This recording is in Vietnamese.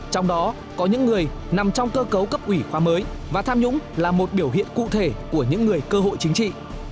trong đó có những người nằm trong cơ cấu cấp ủy khoa mới và tham nhũng là một biểu hiện cụ thể của những người cơ hội chính trị